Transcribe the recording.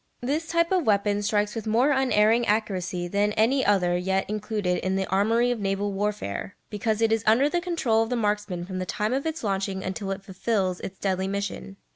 This type of weapon strikes with more unerring accuracy than any other yet included in the armoury of naval warfare, because it is under the control of the marksman from the time of its launching until it fulfils its deadly mission.